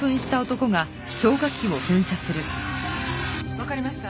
わかりました。